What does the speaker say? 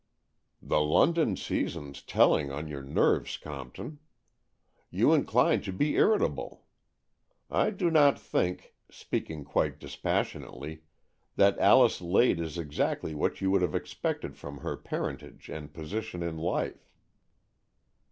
The London season's telling on your nerves, Compton. You incline to be irri table. I do not think, speaking quite dispas sionately, that Alice Lade is exactly w^hat you would have expected from her parentage and position in life."